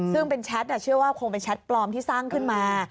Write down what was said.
ซึ่งเป็นแชทคงเป็นแชทปลอมที่สร้างขึ้นมา